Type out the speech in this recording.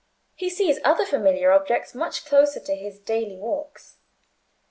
He sees other familiar objects much closer to his daily walks.